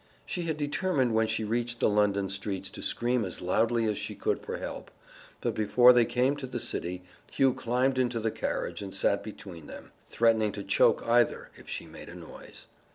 She had determined when she reached the London streets to scream as loudly as she could for help; but before they came to the city Hugh climbed into the carriage and sat between them, threatening to choke either if she made a noise.